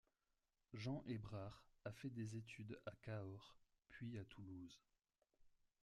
Jean Hébrard a fait des études à Cahors, puis à Toulouse.